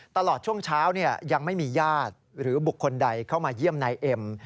ตลอดช่วงเช้ายังไม่มีญาติหรือบุคคลใดเข้ามาเยี่ยมนายเอ็ม